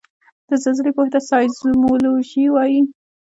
د زلزلې پوهې ته سایزمولوجي وايي